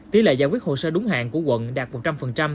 tỷ lệ giải quyết hồ sơ đúng hạn của quận đạt một trăm linh